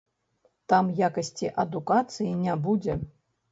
Там якасці адукацыі не будзе.